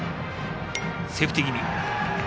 セーフティー気味。